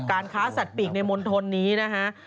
การค้าสัตว์ปีกในมณฑลนี้นะฮะ